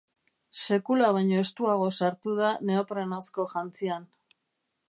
Sekula baino estuago sartu da neoprenozko jantzian.